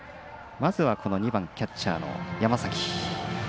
まずは、２番キャッチャーの山崎。